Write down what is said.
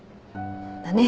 だね。